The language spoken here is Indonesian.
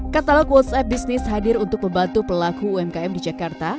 katalog whatsapp bisnis hadir untuk membantu pelaku umkm di jakarta